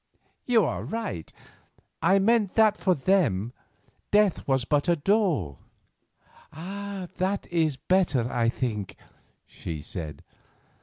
"You are right; I meant that for them death was but a door." "That is better, I think," she said.